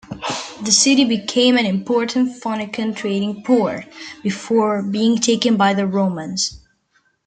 The city became an important Phoenician trading port, before being taken by the Romans.